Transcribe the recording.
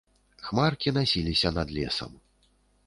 Хмаркі насіліся над лесам.